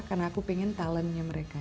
karena aku pengen talentnya mereka